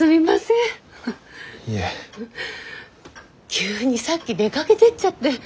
急にさっき出かけてっちゃって。